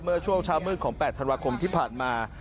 เมื่อช่วงเช้ามืดของ๘ธันวาคมที่ผ่านมา